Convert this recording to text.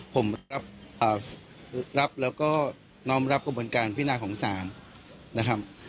ผมรับแล้วก็น้อมรับกระบวนการพินาของศาลนะครับ